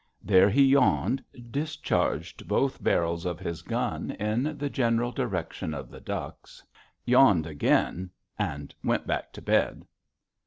There he yawned, discharged both barrels of his gun in the general direction of the ducks, yawned again, and went back to bed.